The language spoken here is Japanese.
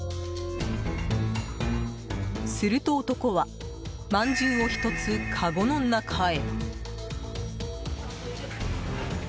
すると、男はまんじゅうを１つかごの中へ。